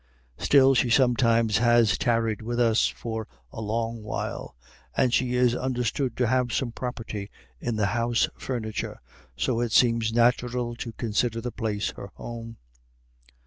Still, she sometimes has tarried with us for a long while, and she is understood to have some property in the house furniture, so it seems natural to consider the place her home.